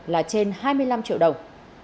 là trên hai mươi năm triệu đồng